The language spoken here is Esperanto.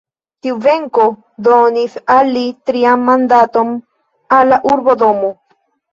Tiu venko donis al li trian mandaton al la urbodomo.